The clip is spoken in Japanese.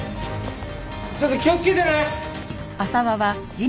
ちょっと気をつけてね！